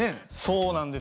そうなんですよ。